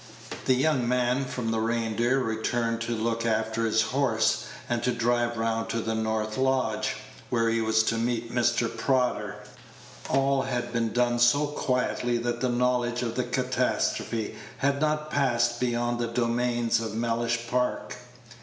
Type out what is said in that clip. The young man from the Reindeer returned to look after his horse, and to drive round to the north lodge, where he was to meet Mr. Prodder. All had been done so quietly that the knowledge of the catastrophe had not passed beyond the domains of Mellish Park.